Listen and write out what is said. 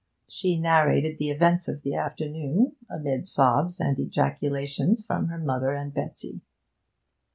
She narrated the events of the afternoon, amid sobs and ejaculations from her mother and Betsy.